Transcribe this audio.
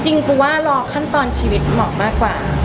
จริงปูก็ล็อคั่นตอนชีวิตเหมาะมากกว่า